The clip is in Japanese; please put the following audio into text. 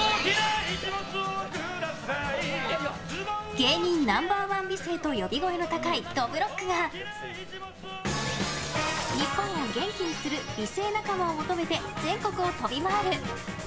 芸人ナンバーワン美声と呼び声の高い、どぶろっくが日本を元気にする美声仲間を求めて全国を飛び回る。